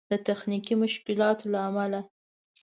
د تخنيکي مشکلاتو له امله